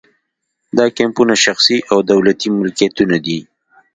دا کیمپونه شخصي او دولتي ملکیتونه دي